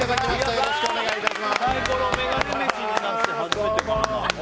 よろしくお願いします。